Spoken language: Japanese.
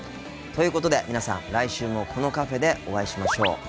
ということで皆さん来週もこのカフェでお会いしましょう。